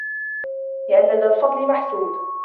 لِأَنَّ ذَا الْفَضْلِ مَحْسُودٌ